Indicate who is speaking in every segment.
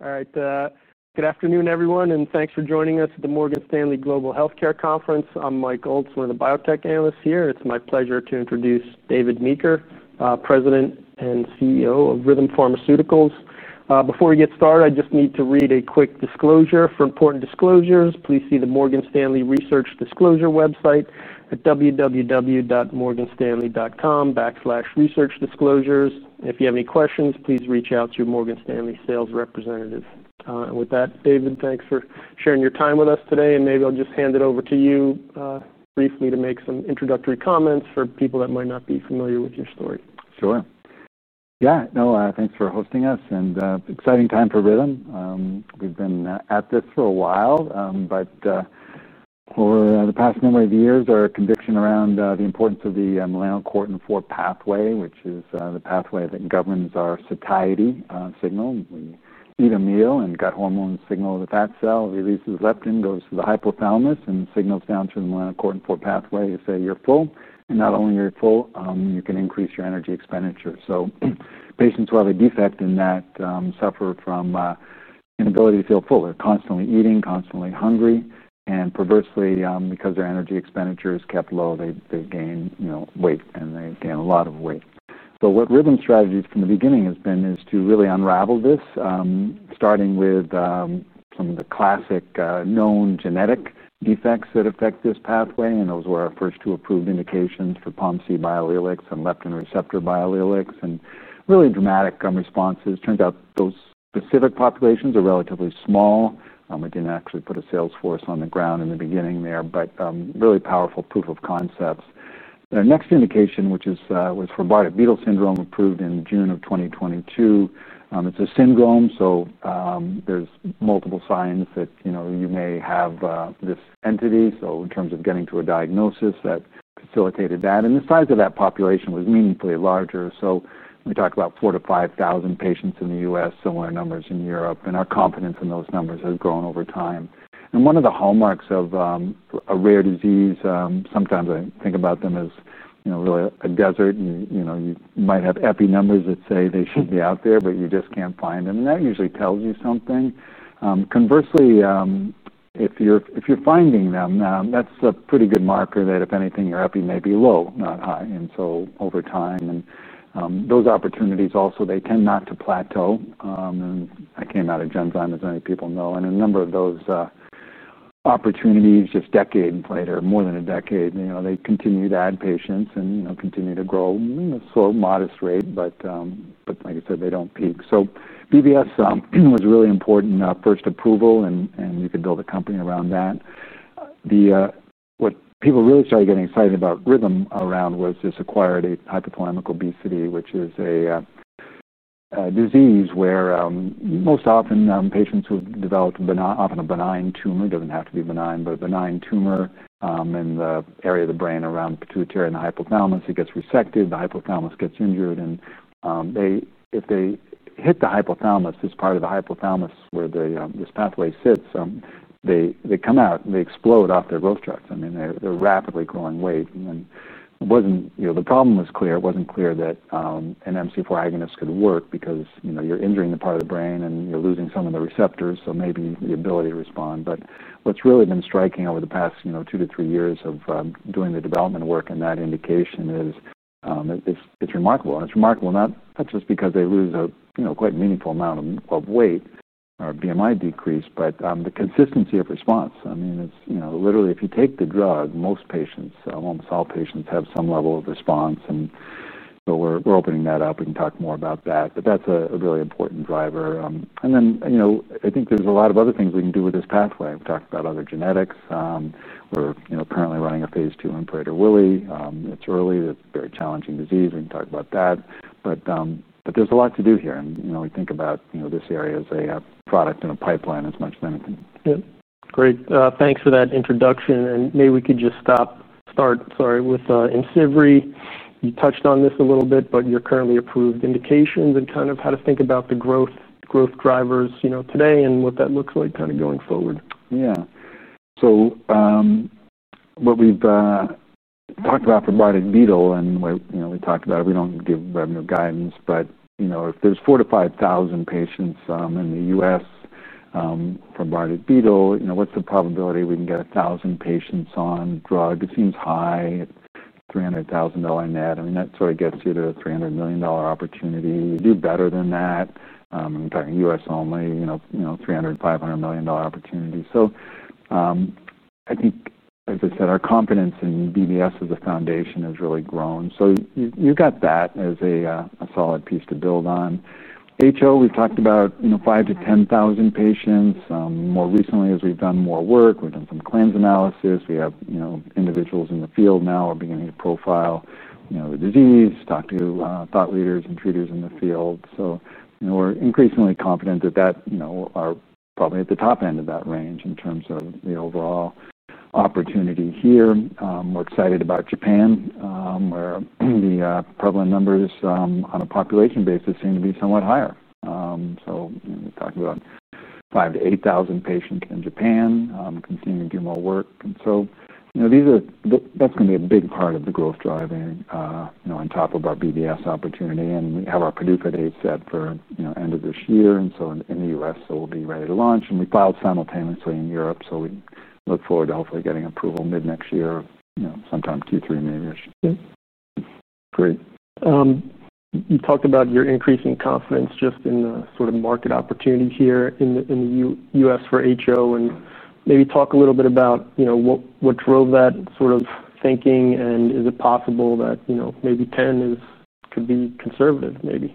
Speaker 1: All right. Good afternoon, everyone, and thanks for joining us at the Morgan Stanley Global Health Care Conference. I'm Mike Goldsmith, one of the biotech analysts here. It's my pleasure to introduce David Meeker, President and Chief Executive Officer of Rhythm Pharmaceuticals. Before we get started, I just need to read a quick disclosure. For important disclosures, please see the Morgan Stanley Research Disclosure website at www.morganstanley.com/researchdisclosures. If you have any questions, please reach out to your Morgan Stanley sales representative. With that, David, thanks for sharing your time with us today. Maybe I'll just hand it over to you briefly to make some introductory comments for people that might not be familiar with your story.
Speaker 2: Sure. Yeah. No, thanks for hosting us. Exciting time for Rhythm. We've been at this for a while. Over the past number of years, our conviction around the importance of the melanocortin-4 pathway, which is the pathway that governs our satiety signal. We eat a meal, and gut hormone signals a fat cell, releases leptin, goes to the hypothalamus, and signals down to the melanocortin-4 pathway to say, "You're full." Not only are you full, you can increase your energy expenditure. Patients who have a defect in that suffer from an inability to feel full. They're constantly eating, constantly hungry. Perversely, because their energy expenditure is kept low, they gain weight, and they gain a lot of weight. Rhythm's strategy from the beginning has been to really unravel this, starting with some of the classic known genetic defects that affect this pathway. Those were our first two approved indications for POMC biallelics and leptin receptor biallelics, and really dramatic responses. Turns out those specific populations are relatively small. We didn't actually put a sales force on the ground in the beginning there, but really powerful proof of concepts. The next indication, which was for Bardet-Biedl syndrome, approved in June of 2022. It's a syndrome. There are multiple signs that you may have this entity. In terms of getting to a diagnosis, that facilitated that. The size of that population was meaningfully larger. We talk about 4,000 to 5,000 patients in the U.S., similar numbers in Europe. Our confidence in those numbers has grown over time. One of the hallmarks of a rare disease, sometimes I think about them as really a desert. You might have epi numbers that say they should be out there, but you just can't find them. That usually tells you something. Conversely, if you're finding them, that's a pretty good marker that, if anything, your epi may be low, not high. Over time, those opportunities also, they tend not to plateau. I came out of Johns Hopkins, as many people know. A number of those opportunities, just decades later, more than a decade, you know they continue to add patients and continue to grow at a modest rate. They don't peak. BBS was really important, first approval, and you could build a company around that. What people really started getting excited about Rhythm around was this acquired hypothalamic obesity, which is a disease where most often patients who have developed often a benign tumor, it doesn't have to be benign, but a benign tumor in the area of the brain around the pituitary and the hypothalamus, it gets resected. The hypothalamus gets injured. If they hit the hypothalamus, this part of the hypothalamus where this pathway sits, they come out and they explode off their growth tracts. I mean, they're rapidly growing weight. The problem was clear. It wasn't clear that an MC4 agonist could work because you're injuring the part of the brain and you're losing some of the receptors, so maybe the ability to respond. What's really been striking over the past two to three years of doing the development work in that indication is it's remarkable. It's remarkable not just because they lose a quite meaningful amount of weight or BMI decrease, but the consistency of response. I mean, literally, if you take the drug, most patients, almost all patients, have some level of response. We're opening that up. We can talk more about that. That's a really important driver. I think there's a lot of other things we can do with this pathway. We've talked about other genetics. We're currently running a phase 2 on Prader-Willi. It's early. It's a very challenging disease. We can talk about that. There's a lot to do here. We think about this area as a product in a pipeline as much as anything.
Speaker 1: Great. Thanks for that introduction. Maybe we could just start with IMCIVREE. You touched on this a little bit, but your currently approved indications and kind of how to think about the growth drivers today and what that looks like going forward.
Speaker 2: Yeah. So what we've talked about for Bardet-Biedl, and we talked about it, we don't give revenue guidance. If there's 4,000 to 5,000 patients in the U.S. for Bardet-Biedl, what's the probability we can get 1,000 patients on drug? It seems high at $300,000 net. I mean, that sort of gets you to a $300 million opportunity. You do better than that. I'm talking U.S. only, you know, $300 million, $500 million opportunities. I think, as I said, our confidence in BBS as a foundation has really grown. You've got that as a solid piece to build on. HO, we've talked about 5,000 to 10,000 patients. More recently, as we've done more work, we've done some claims analysis. We have individuals in the field now who are beginning to profile the disease, talk to thought leaders and treaters in the field. We're increasingly confident that that, you know, are probably at the top end of that range in terms of the overall opportunity here. We're excited about Japan, where the prevalence numbers on a population basis seem to be somewhat higher. We're talking about 5,000 to 8,000 patients in Japan, continuing to do more work. That's going to be a big part of the growth driving on top of our BBS opportunity. We have our PDUFA date set for the end of this year in the U.S., so we'll be ready to launch. We filed simultaneously in Europe. We look forward to hopefully getting approval mid-next year, sometime Q3 mid-ish.
Speaker 1: Great. You talked about your increasing confidence just in the sort of market opportunity here in the U.S. for HO. Maybe talk a little bit about what drove that sort of thinking. Is it possible that maybe 10 could be conservative, maybe?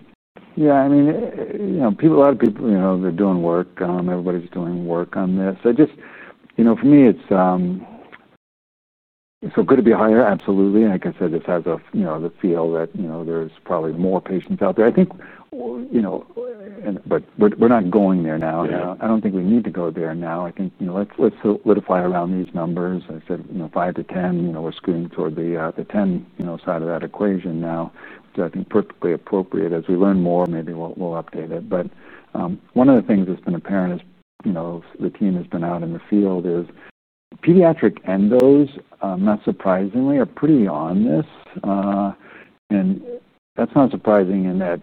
Speaker 2: Yeah. I mean, people, a lot of people, they're doing work. Everybody's doing work on this. For me, it's so good to be higher. Absolutely. Like I said, this has the feel that there's probably more patients out there. I think, but we're not going there now. I don't think we need to go there now. I think, let's solidify around these numbers. I said, 5 to 10, we're scooting toward the 10 side of that equation now, which I think is perfectly appropriate. As we learn more, maybe we'll update it. One of the things that's been apparent as the team has been out in the field is pediatric endos, not surprisingly, are pretty on this. That's not surprising in that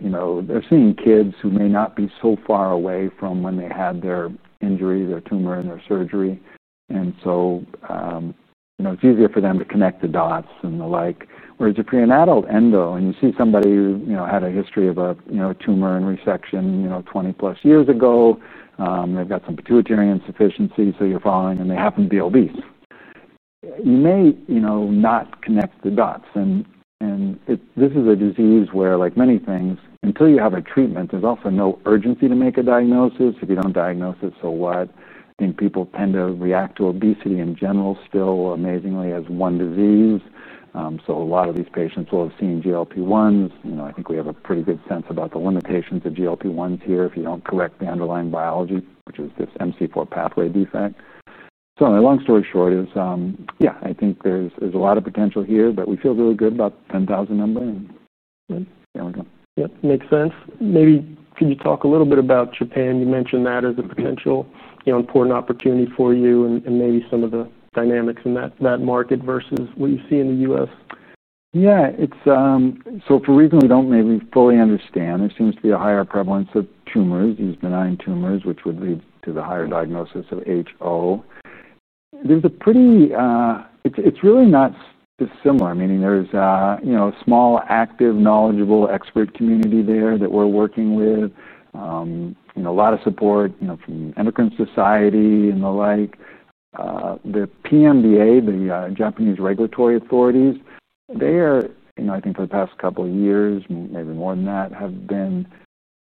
Speaker 2: they're seeing kids who may not be so far away from when they had their injuries, their tumor, and their surgery. It's easier for them to connect the dots and the like. Whereas if you're an adult endo and you see somebody who had a history of a tumor and resection 20-plus years ago, they've got some pituitary insufficiency, so you're following, and they happen to be obese, you may not connect the dots. This is a disease where, like many things, until you have a treatment, there's also no urgency to make a diagnosis. If you don't diagnose it, so what? I think people tend to react to obesity in general still, amazingly, as one disease. A lot of these patients will have seen GLP-1s. I think we have a pretty good sense about the limitations of GLP-1s here if you don't correct the underlying biology, which is this MC4 pathway defect. My long story short is, yeah, I think there's a lot of potential here, but we feel really good about the 10,000 number.
Speaker 1: Yeah. Makes sense. Maybe could you talk a little bit about Japan? You mentioned that as a potential important opportunity for you and maybe some of the dynamics in that market versus what you see in the U.S.
Speaker 2: Yeah. For reasons we don't maybe fully understand, there seems to be a higher prevalence of tumors, these benign tumors, which would lead to the higher diagnosis of HO. It's really not dissimilar, meaning there's a small, active, knowledgeable expert community there that we're working with. A lot of support from the Immigrant Society and the like. The PMDA, the Japanese Regulatory Authorities, for the past couple of years, maybe more than that, have been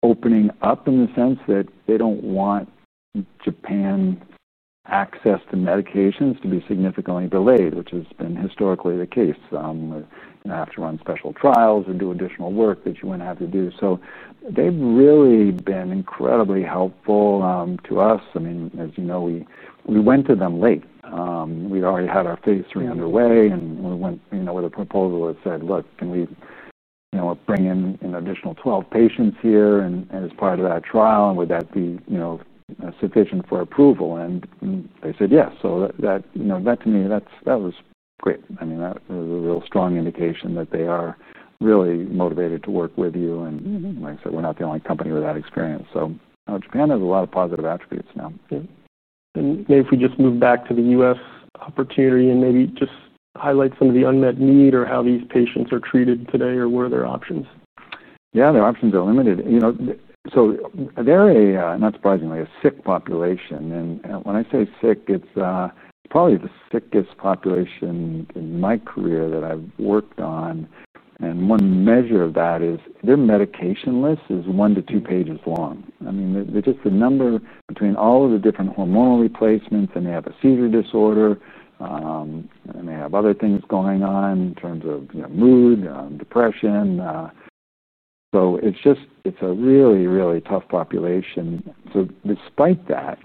Speaker 2: opening up in the sense that they don't want Japan access to medications to be significantly delayed, which has been historically the case. You have to run special trials and do additional work that you wouldn't have to do. They've really been incredibly helpful to us. As you know, we went to them late. We already had our phase 3 underway, and we went with a proposal that said, "Look, can we bring in an additional 12 patients here as part of that trial? And would that be sufficient for approval?" They said, "Yes." That, to me, was great. That was a real strong indication that they are really motivated to work with you. Like I said, we're not the only company with that experience. Japan has a lot of positive attributes now.
Speaker 1: If we just move back to the U.S. opportunity and maybe just highlight some of the unmet need or how these patients are treated today or what are their options?
Speaker 2: Yeah. Their options are limited. You know, they're a, not surprisingly, a sick population. When I say sick, it's probably the sickest population in my career that I've worked on. One measure of that is their medication list is one to two pages long. I mean, just the number between all of the different hormonal replacements, and they have a seizure disorder, and they have other things going on in terms of mood, depression. It's just, it's a really, really tough population. Despite that,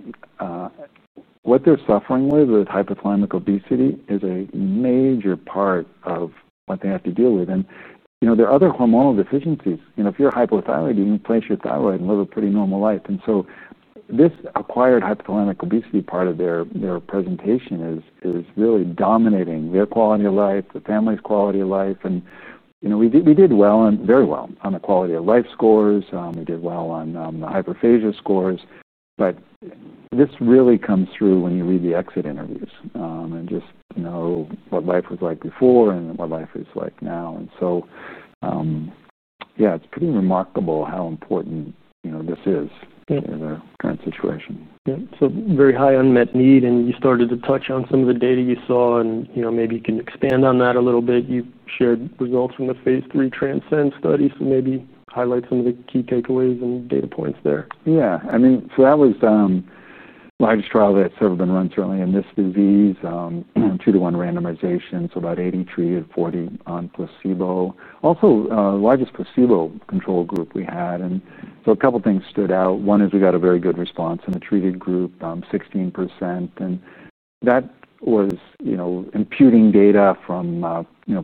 Speaker 2: what they're suffering with, with acquired hypothalamic obesity, is a major part of what they have to deal with. There are other hormonal deficiencies. You know, if you're hypothyroid, you can replace your thyroid and live a pretty normal life. This acquired hypothalamic obesity part of their presentation is really dominating their quality of life, the family's quality of life. You know, we did well, and very well on the quality of life scores. They did well on the hyperphagia scores. This really comes through when you read the exit interviews and just know what life was like before and what life is like now. Yeah, it's pretty remarkable how important, you know, this is in their current situation.
Speaker 1: Yeah, very high unmet need. You started to touch on some of the data you saw. Maybe you can expand on that a little bit. You shared results from the phase 3 TRANSCEND study. Maybe highlight some of the key takeaways and data points there.
Speaker 2: Yeah. I mean, that was the largest trial that's ever been run certainly in this disease, two-to-one randomization. So about 80 treated, 40 on placebo. Also, the largest placebo-controlled group we had. A couple of things stood out. One is we got a very good response in the treated group, 16%. That was imputing data from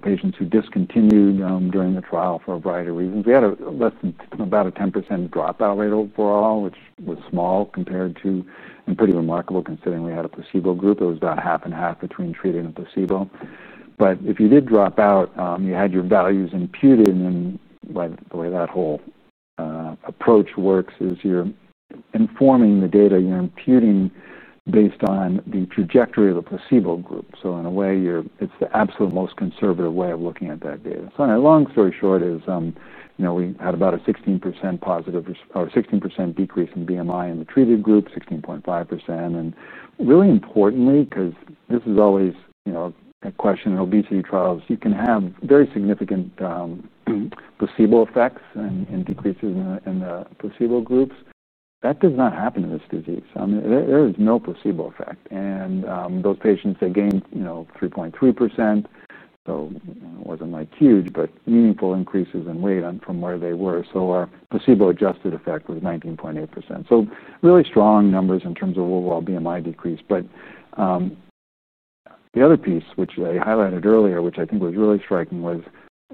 Speaker 2: patients who discontinued during the trial for a variety of reasons. We had less than about a 10% dropout rate overall, which was small compared to, and pretty remarkable considering we had a placebo group. It was about half and half between treated and placebo. If you did drop out, you had your values imputed. By the way, that whole approach works as you're informing the data you're imputing based on the trajectory of the placebo group. In a way, it's the absolute most conservative way of looking at that data. Long story short is, we had about a 16% positive or 16% decrease in BMI in the treated group, 16.5%. Really importantly, because this is always a question in obesity trials, you can have very significant placebo effects and decreases in the placebo groups. That does not happen in this disease. There is no placebo effect. Those patients gained 3.3%. It wasn't huge, but meaningful increases in weight from where they were. Our placebo-adjusted effect was 19.8%. Really strong numbers in terms of overall BMI decrease. The other piece, which I highlighted earlier, which I think was really striking, was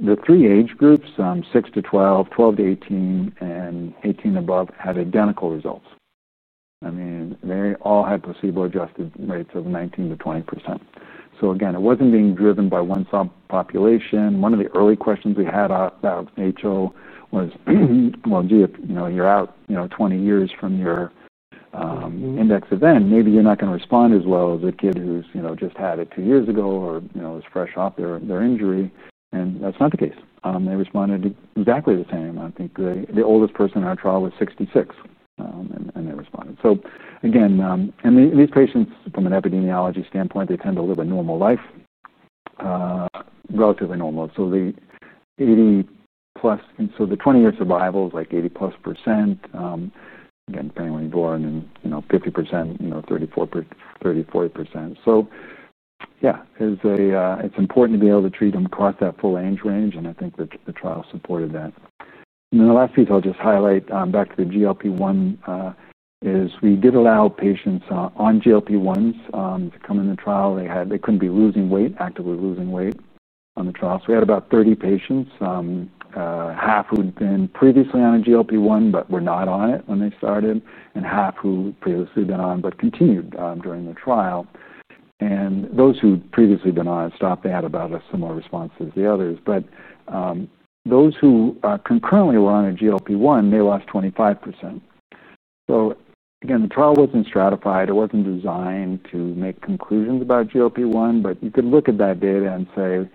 Speaker 2: the three age groups, 6 to 12, 12 to 18, and 18 and above had identical results. They all had placebo-adjusted rates of 19% to 20%. It wasn't being driven by one population. One of the early questions we had about acquired hypothalamic obesity was, gee, you're out 20 years from your index event. Maybe you're not going to respond as well as a kid who's just had it two years ago or is fresh off their injury. That's not the case. They responded exactly the same. I think the oldest person in our trial was 66, and they responded. These patients, from an epidemiology standpoint, tend to live a normal life, relatively normal. The 80-plus, so the 20-year survival is like 80+%, again, depending on when you're born, and 50%, 34%, 30%, 40%. It's important to be able to treat them across that full age range. I think that the trial supported that. The last piece I'll just highlight back to the GLP-1 is we did allow patients on GLP-1s to come in the trial. They couldn't be actively losing weight on the trial. We had about 30 patients, half who had been previously on a GLP-1 but were not on it when they started, and half who had previously been on but continued during the trial. Those who had previously been on it stopped. They had about a similar response as the others. Those who concurrently were on a GLP-1 lost 25%. The trial wasn't stratified. It wasn't designed to make conclusions about GLP-1, but you could look at that data and say,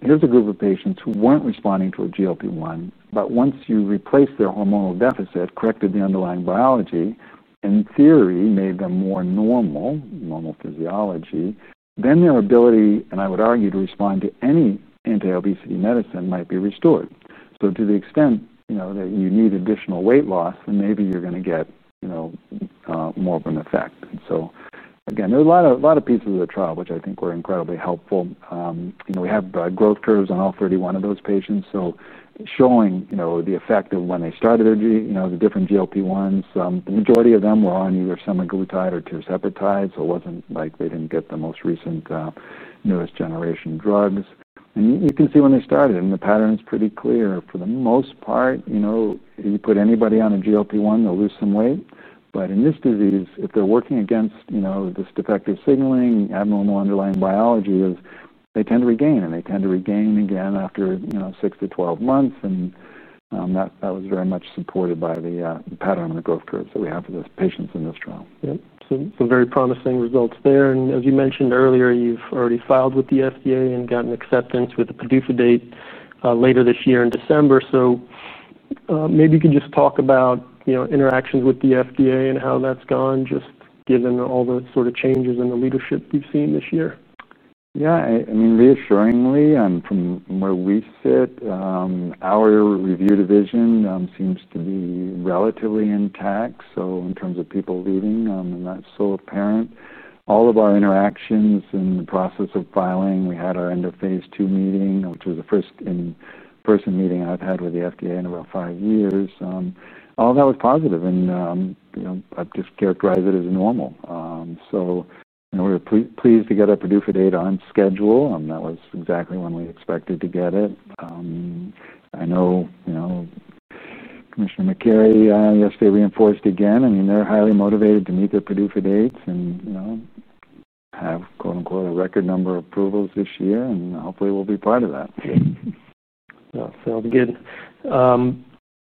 Speaker 2: here's a group of patients who weren't responding to a GLP-1. Once you replaced their hormonal deficit, corrected the underlying biology, in theory, made them more normal, normal physiology, then their ability, and I would argue, to respond to any anti-obesity medicine might be restored. To the extent that you need additional weight loss, maybe you're going to get more of an effect. There are a lot of pieces of the trial, which I think were incredibly helpful. We have growth curves on all 31 of those patients, showing the effect of when they started their GLP-1s. The majority of them were on either semaglutide or tirzepatide. It wasn't like they didn't get the most recent, newest generation drugs. You can see when they started, and the pattern is pretty clear. For the most part, you put anybody on a GLP-1, they'll lose some weight. In this disease, if they're working against this defective signaling, abnormal underlying biology, they tend to regain. They tend to regain again after 6 to 12 months. That was very much supported by the pattern and the growth curves that we have for those patients in this trial.
Speaker 1: Yeah. Some very promising results there. As you mentioned earlier, you've already filed with the FDA and gotten acceptance with the PDUFA date later this year in December. Maybe you could just talk about interactions with the FDA and how that's gone, just given all the sort of changes in the leadership you've seen this year.
Speaker 2: Yeah. I mean, reassuringly, from where we sit, our review division seems to be relatively intact. In terms of people leaving, that's so apparent. All of our interactions and the process of filing, we had our end of phase 2 meeting, which was the first in-person meeting I've had with the FDA in about five years. All of that was positive. I'd just characterize it as normal. We're pleased to get a PDUFA date on schedule. That was exactly when we expected to get it. I know, you know, Commissioner McCarry yesterday reinforced again. I mean, they're highly motivated to meet their PDUFA dates and, you know, have quote-unquote "a record number of approvals" this year. Hopefully, we'll be part of that.
Speaker 1: Yeah. Sounds good.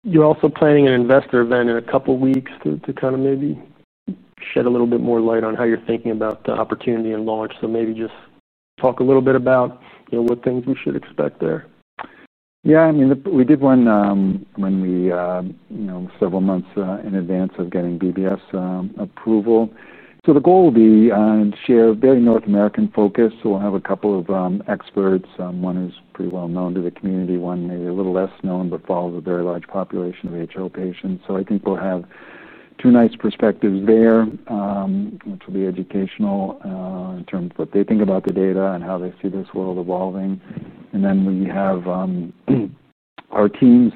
Speaker 1: You're also planning an investor event in a couple of weeks to kind of maybe shed a little bit more light on how you're thinking about the opportunity and launch. Maybe just talk a little bit about what things we should expect there.
Speaker 2: Yeah. I mean, we did one when we, you know, several months in advance of getting Bardet-Biedl syndrome approval. The goal will be to share a very North American focus. We'll have a couple of experts. One is pretty well known to the community. One may be a little less known but follows a very large population of acquired hypothalamic obesity patients. I think we'll have two nice perspectives there, which will be educational in terms of what they think about the data and how they see this world evolving. We have our teams,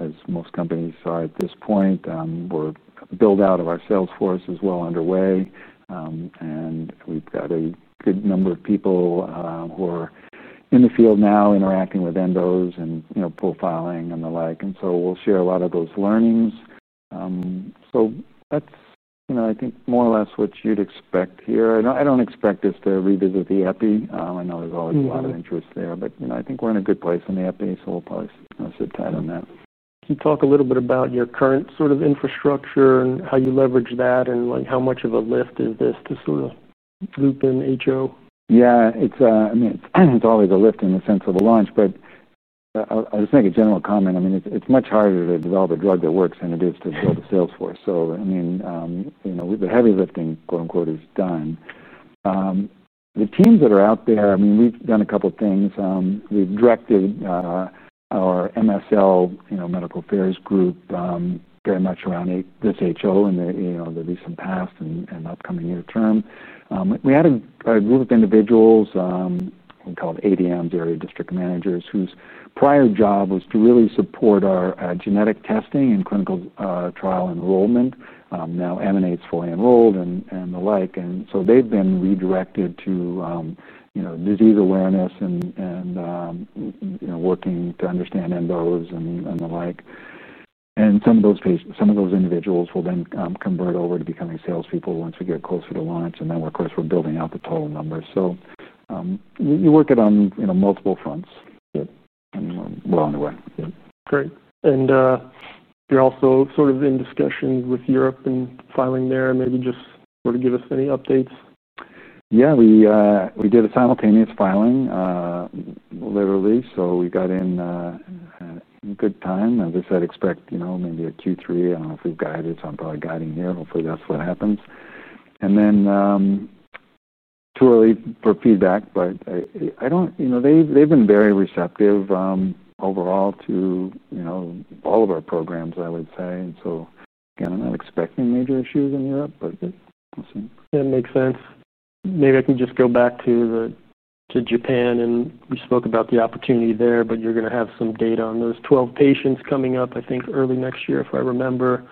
Speaker 2: as most companies are at this point. We're a build-out of our sales force as well underway, and we've got a good number of people who are in the field now interacting with endos and profiling and the like. We'll share a lot of those learnings. That's, you know, I think more or less what you'd expect here. I don't expect us to revisit the epi. I know there's always a lot of interest there, but I think we're in a good place in the epi, so we'll probably sit tight on that.
Speaker 1: Can you talk a little bit about your current sort of infrastructure and how you leverage that, and how much of a lift is this to sort of loop in HO?
Speaker 2: Yeah. It's, I mean, it's always a lift in the sense of a launch. I'll just make a general comment. I mean, it's much harder to develop a drug that works than it is to build a sales force. I mean, you know, the heavy lifting, quote-unquote, is done. The teams that are out there, we've done a couple of things. We've directed our MSL, you know, Medical Affairs Group, very much around this HO in the recent past and upcoming year term. We had a group of individuals we called ADM, Area District Managers, whose prior job was to really support our genetic testing and clinical trial enrollment. Now M&A is fully enrolled and the like. They've been redirected to disease awareness and working to understand endos and the like. Some of those individuals will then convert over to becoming salespeople once we get closer to launch. We're closer to building out the total number. You work it on multiple fronts.
Speaker 1: Yep.
Speaker 2: We're on the way.
Speaker 1: Great. You're also sort of in discussion with Europe and filing there. Maybe just sort of give us any updates.
Speaker 2: Yeah. We did a simultaneous filing literally. We got in a good time. As I said, expect, you know, maybe a Q3. I don't know if we've got it. I'm probably guiding there. Hopefully, that's what happens. Too early for feedback, but they've been very receptive overall to all of our programs, I would say. I'm not expecting major issues in Europe, but we'll see.
Speaker 1: Yeah, it makes sense. Maybe I can just go back to Japan. You spoke about the opportunity there, but you're going to have some data on those 12 patients coming up, I think, early next year, if I remember.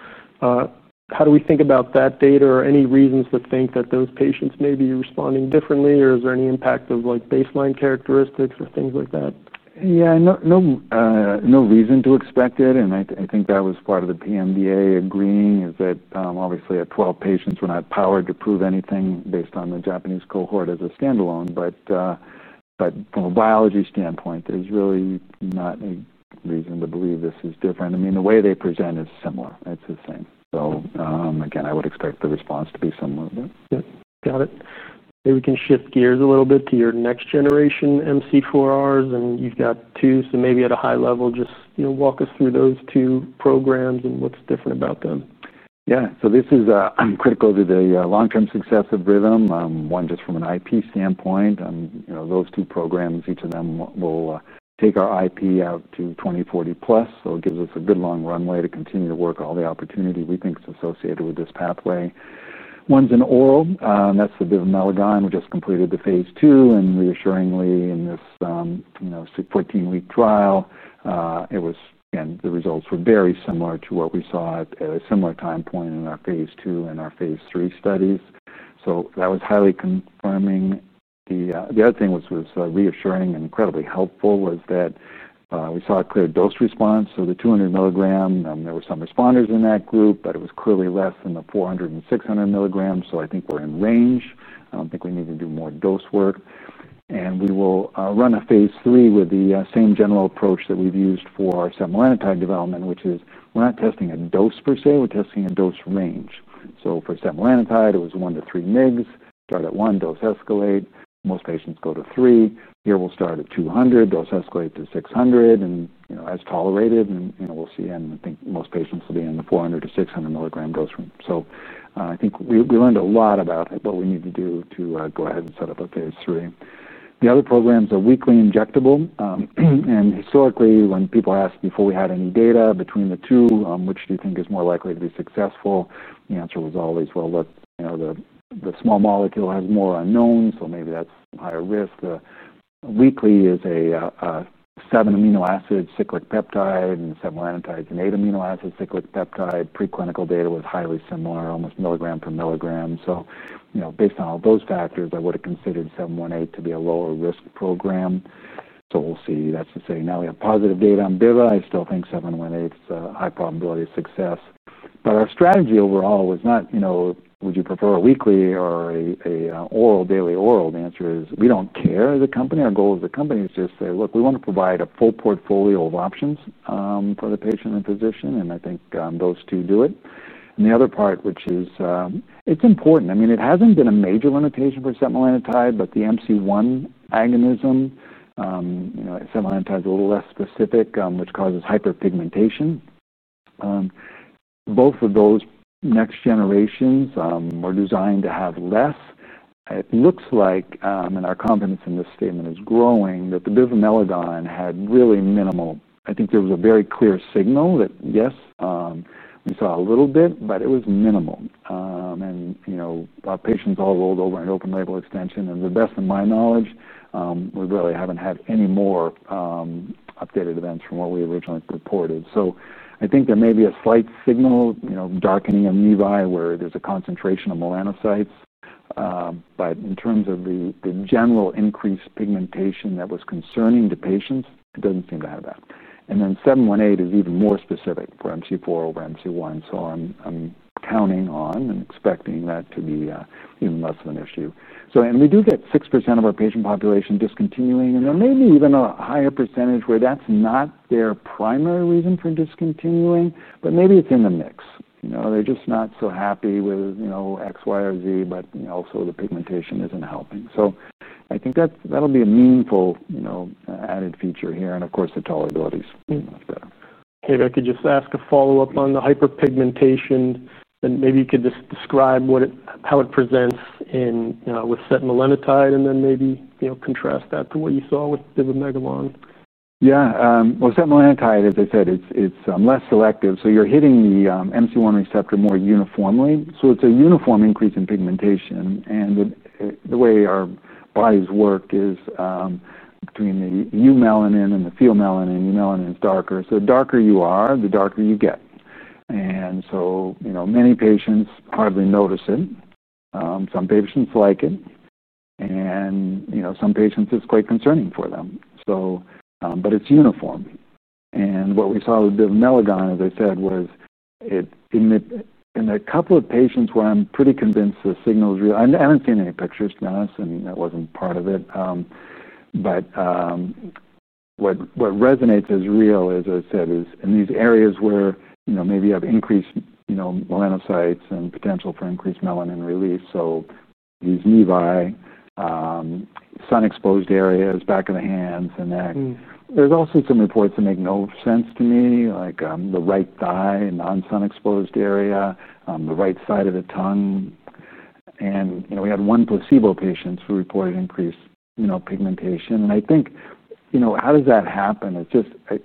Speaker 1: How do we think about that data? Are there any reasons to think that those patients may be responding differently? Is there any impact of baseline characteristics or things like that?
Speaker 2: No reason to expect it. I think that was part of the PMDA agreeing, is that obviously, at 12 patients, we're not powered to prove anything based on the Japanese cohort as a standalone. From a biology standpoint, there's really not a reason to believe this is different. I mean, the way they present is similar. It's the same. I would expect the response to be similar.
Speaker 1: Got it. Maybe we can shift gears a little bit to your next-generation MC4Rs. You've got two. Maybe at a high level, just walk us through those two programs and what's different about them.
Speaker 2: Yeah. This is critical to the long-term success of Rhythm. One, just from an IP standpoint, those two programs, each of them will take our IP out to 2040 plus. It gives us a good long runway to continue to work all the opportunity we think is associated with this pathway. One's an oral, and that's the bivamelagon. We just completed the phase 2. Reassuringly, in this 14-week trial, the results were very similar to what we saw at a similar time point in our phase 2 and our phase 3 studies. That was highly confirming. The other thing that was reassuring and incredibly helpful was that we saw a clear dose response. The 200 mg, there were some responders in that group, but it was clearly less than the 400 and 600 mg. I think we're in range. I don't think we need to do more dose work. We will run a phase 3 with the same general approach that we've used for our setmelanotide development, which is we're not testing a dose per se. We're testing a dose range. For setmelanotide, it was 1 to 3 mg. Start at 1. Dose escalate. Most patients go to 3. Here, we'll start at 200. Dose escalate to 600 as tolerated. We'll see. I think most patients will be in the 400 to 600 mg dose range. I think we learned a lot about what we need to do to go ahead and set up a phase 3. The other program's a weekly injectable. Historically, when people asked before we had any data between the two, which do you think is more likely to be successful, the answer was always, look, the small molecule has more unknowns, so maybe that's higher risk. The weekly is a 7-amino acid cyclic peptide, and the setmelanotide is an 8-amino acid cyclic peptide. Preclinical data was highly similar, almost milligram per milligram. Based on all those factors, I would have considered RM-718 to be a lower risk program. We'll see. Now we have positive data on bivamelagon. I still think RM-718 is a high probability of success. Our strategy overall was not, would you prefer a weekly or a daily oral? The answer is we don't care as a company. Our goal as a company is to just say, look, we want to provide a full portfolio of options for the patient and physician. I think those two do it. The other part, which is, it's important. I mean, it hasn't been a major limitation for setmelanotide, but the MC1 agonism, setmelanotide is a little less specific, which causes hyperpigmentation. Both of those next generations were designed to have less. It looks like, and our confidence in this statement is growing, that the bivamelagon had really minimal. I think there was a very clear signal that, yes, we saw a little bit, but it was minimal. You know, patients all rolled over in open-label extension. To the best of my knowledge, we really haven't had any more updated events from what we originally purported. I think there may be a slight signal, you know, darkening of nevi where there's a concentration of melanocytes. In terms of the general increased pigmentation that was concerning to patients, it doesn't seem to have that. RM-718 is even more specific for MC4 or MC1. I'm counting on and expecting that to be even less of an issue. We do get 6% of our patient population discontinuing, and there may be even a higher percentage where that's not their primary reason for discontinuing, but maybe it's in the mix. You know, they're just not so happy with, you know, X, Y, or Z, but also the pigmentation isn't helping. I think that'll be a meaningful, you know, added feature here. Of course, the tolerability is better.
Speaker 1: Yeah. If I could just ask a follow-up on the hyperpigmentation, and maybe you could just describe how it presents with setmelanotide and then maybe, you know, contrast that to what you saw with bivamelagon?
Speaker 2: Yeah. IMCIVREE (setmelanotide), as I said, it's less selective. You're hitting the MC1 receptor more uniformly, so it's a uniform increase in pigmentation. The way our bodies work is between the eumelanin and the pheomelanin. Eumelanin is darker, so the darker you are, the darker you get. Many patients hardly notice it. Some patients like it, and some patients, it's quite concerning for them. It's uniform. What we saw with bivamelagon, as I said, was it in a couple of patients where I'm pretty convinced the signal is real. I haven't seen any pictures, to be honest. That wasn't part of it. What resonates as real is, as I said, in these areas where maybe you have increased melanocytes and potential for increased melanin release. These nevi, sun-exposed areas, back of the hands, and neck. There are also some reports that make no sense to me, like the right thigh and non-sun-exposed area, the right side of the tongue. We had one placebo patient who reported increased pigmentation. I think, how does that happen?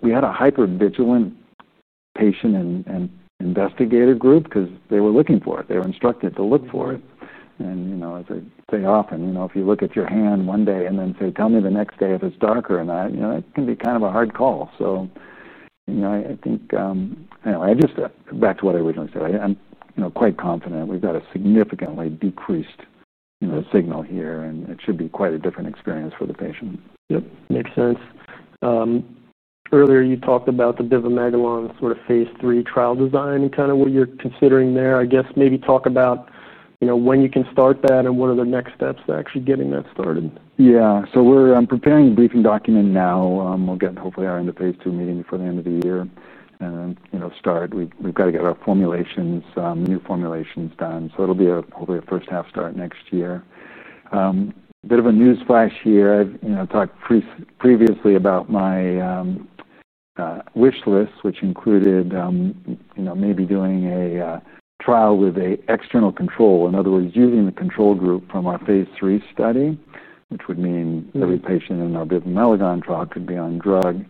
Speaker 2: We had a hypervigilant patient and investigator group because they were looking for it. They were instructed to look for it. As I say often, if you look at your hand one day and then say, tell me the next day if it's darker or not, that can be kind of a hard call. I think, anyway, just back to what I originally said, I'm quite confident we've got a significantly decreased signal here, and it should be quite a different experience for the patient.
Speaker 1: Yeah. Makes sense. Earlier, you talked about the bivamelagon sort of phase 3 trial design and kind of what you're considering there. I guess maybe talk about, you know, when you can start that and what are the next steps to actually getting that started.
Speaker 2: Yeah. We're preparing a briefing document now. We'll hopefully get our end of phase 2 meeting before the end of the year, and then start. We've got to get our new formulations done, so it'll be hopefully a first half start next year. A bit of a newsflash here. I've talked previously about my wish list, which included maybe doing a trial with an external control, in other words, using the control group from our phase 3 study, which would mean every patient in our bivamelagon trial could be on drug.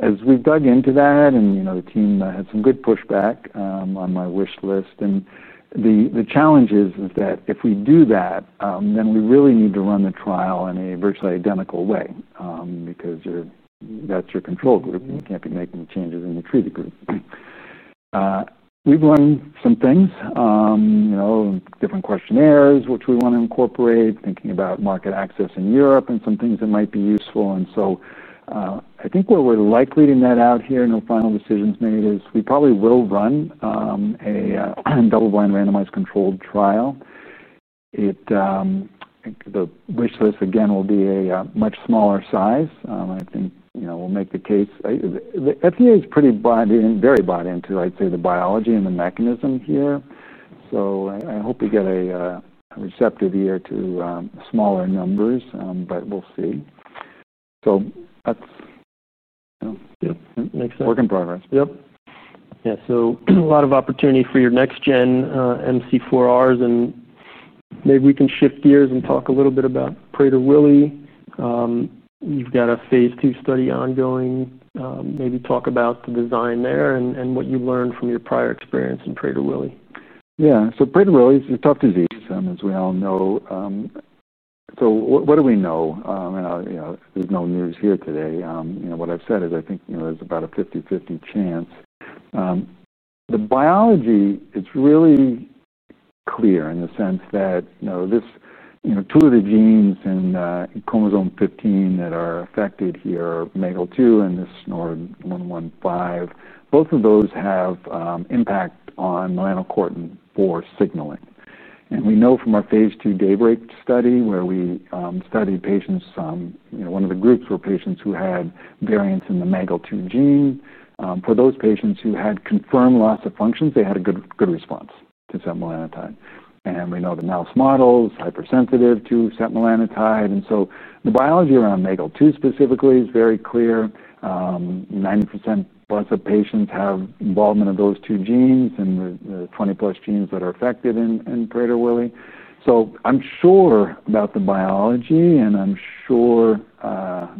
Speaker 2: As we've dug into that, the team had some good pushback on my wish list. The challenge is that if we do that, then we really need to run the trial in a virtually identical way because that's your control group, and you can't be making changes in your treated group. We've run some things, different questionnaires, which we want to incorporate, thinking about market access in Europe and some things that might be useful. I think what we're likely to net out here when our final decision is made is we probably will run a double-blind randomized controlled trial. The wish list, again, will be a much smaller size. I think we'll make the case. The FDA is pretty bought in, very bought into, I'd say, the biology and the mechanism here. I hope we get a receptive ear to smaller numbers, but we'll see. That's a work in progress.
Speaker 1: Yeah. Yeah. There is a lot of opportunity for your next-gen MC4Rs. Maybe we can shift gears and talk a little bit about Prader-Willi. You've got a phase 2 study ongoing. Maybe talk about the design there and what you learned from your prior experience in Prader-Willi.
Speaker 2: Yeah. Prader-Willi is a tough disease, as we all know. What do we know? We have no news here today. What I've said is I think there's about a 50/50 chance. The biology is really clear in the sense that two of the genes in chromosome 15 that are affected here are MAGEL2 and this NDN or 115. Both of those have impact on melanocortin-4 signaling. We know from our phase 2 DAYBREAK study where we studied patients, one of the groups were patients who had variants in the MAGEL2 gene. For those patients who had confirmed loss of function, they had a good response to setmelanotide. We know the NDN mouse model is hypersensitive to setmelanotide. The biology around MAGEL2 specifically is very clear. 90%+ of patients have involvement of those two genes and the 20+ genes that are affected in Prader-Willi. I'm sure about the biology. I'm sure to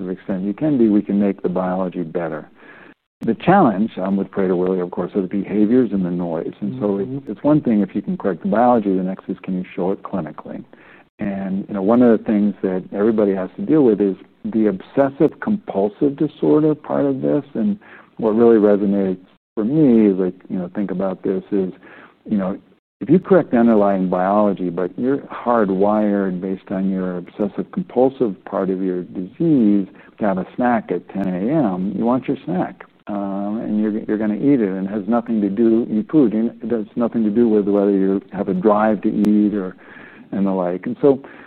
Speaker 2: the extent you can be, we can make the biology better. The challenge with Prader-Willi, of course, are the behaviors and the noise. It's one thing if you can correct the biology. The next is can you show it clinically? One of the things that everybody has to deal with is the obsessive-compulsive disorder part of this. What really resonates for me is I think about this is, if you correct the underlying biology, but you're hardwired based on your obsessive-compulsive part of your disease to have a snack at 10:00 A.M., you want your snack. You're going to eat it. It has nothing to do, eat food, it has nothing to do with whether you have a drive to eat or the like.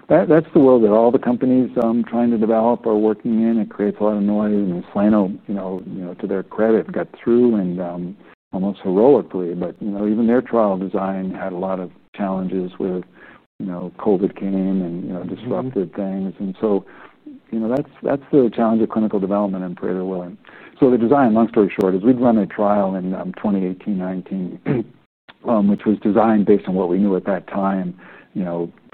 Speaker 2: That's the world that all the companies trying to develop are working in. It creates a lot of noise. Soleno, to their credit, got through and almost heroically. Even their trial design had a lot of challenges with COVID came and disrupted things. That's the challenge of clinical development in Prader-Willi. Long story short, we designed a trial in 2018, 2019, which was designed based on what we knew at that time,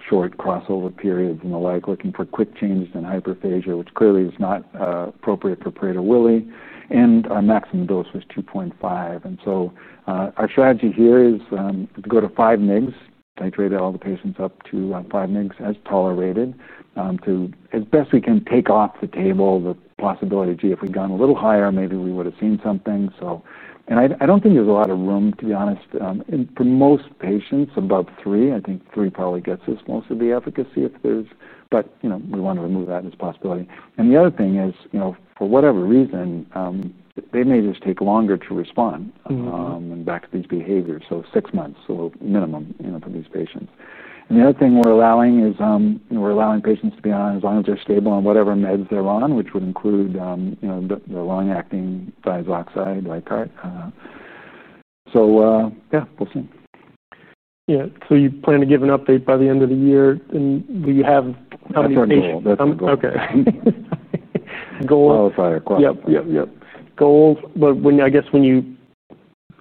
Speaker 2: short crossover periods and the like, looking for quick changes in hyperphagia, which clearly is not appropriate for Prader-Willi. Our maximum dose was 2.5. Our strategy here is to go to 5 mg, titrate all the patients up to 5 mg as tolerated to as best we can take off the table the possibility of, gee, if we'd gone a little higher, maybe we would have seen something. I don't think there's a lot of room, to be honest. For most patients above 3, I think 3 probably gets us most of the efficacy if there's, but we want to remove that as a possibility. The other thing is, for whatever reason, they may just take longer to respond and back to these behaviors. Six months is a little minimum for these patients. The other thing we're allowing is, we're allowing patients to be on as long as they're stable on whatever meds they're on, which would include the long-acting thiazide oxide, Licart. We'll see.
Speaker 1: Yeah, you plan to give an update by the end of the year. Do you have how many patients? Okay. Goals.
Speaker 2: Oh, sorry.
Speaker 1: Yeah. Goals. When you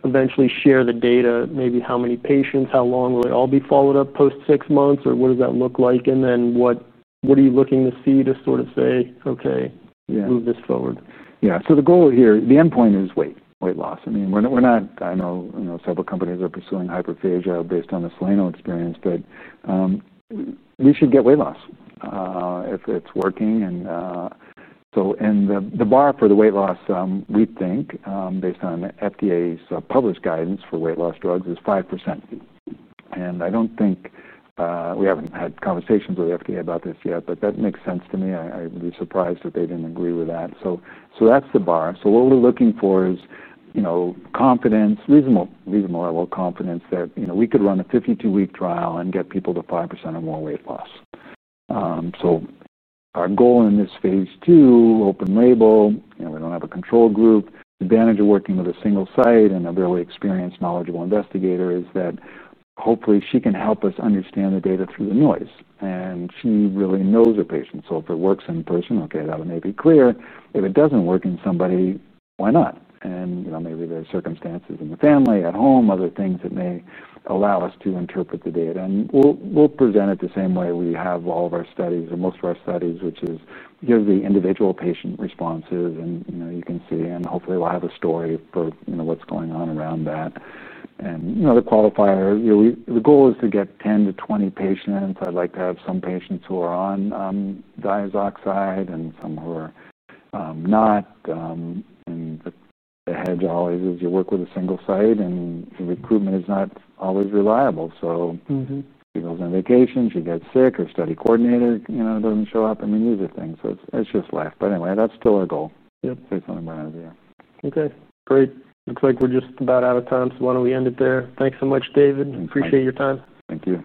Speaker 1: eventually share the data, maybe how many patients, how long will they all be followed up post six months? What does that look like? What are you looking to see to sort of say, "Okay, move this forward"?
Speaker 2: Yeah. The goal here, the endpoint is weight, weight loss. We're not, I know, several companies are pursuing hyperphagia based on the Slano experience. We should get weight loss if it's working. The bar for the weight loss, we think, based on FDA's published guidance for weight loss drugs, is 5%. I don't think we haven't had conversations with the FDA about this yet, but that makes sense to me. I would be surprised if they didn't agree with that. That's the bar. What we're looking for is confidence, reasonable level of confidence that we could run a 52-week trial and get people to 5% or more weight loss. Our goal in this phase 2, open label, we don't have a control group. The advantage of working with a single site and a really experienced, knowledgeable investigator is that hopefully she can help us understand the data through the noise. She really knows her patients. If it works in person, okay, that may be clear. If it doesn't work in somebody, why not? Maybe there are circumstances in the family, at home, other things that may allow us to interpret the data. We'll present it the same way we have all of our studies or most of our studies, which is here's the individual patient responses. You can see, and hopefully, we'll have a story for what's going on around that. The qualifier, the goal is to get 10 to 20 patients. I'd like to have some patients who are on thiazide oxide and some who are not. The hedge always is you work with a single site, and recruitment is not always reliable. She goes on vacation, she gets sick, her study coordinator doesn't show up. These are things. It's just life. That's still our goal, to say something about it.
Speaker 1: Okay. Great. Looks like we're just about out of time. Why don't we end it there? Thanks so much, David. Appreciate your time.
Speaker 2: Thank you.